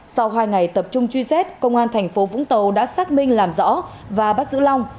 sau hai ngày tập trung truy xét công an thành phố vũng tàu đã xác minh làm rõ và bắt giữ long